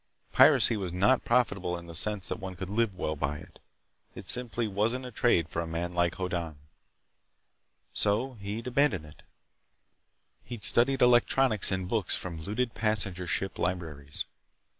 Piracy was not profitable in the sense that one could live well by it. It simply wasn't a trade for a man like Hoddan. So he'd abandoned it. He'd studied electronics in books from looted passenger ship libraries.